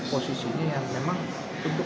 fahmi febrian depok